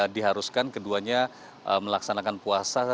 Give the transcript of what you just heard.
diharuskan keduanya melaksanakan puasa